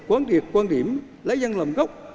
quan thiệp quan điểm lấy dân làm gốc